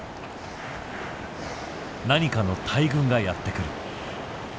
何かの大群がやって来る。